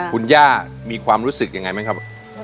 คุณย่ามีความรู้สึกยังไงไหมครับ